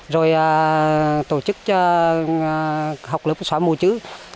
rồi tổ chức cho học lớp xóa mùa chữ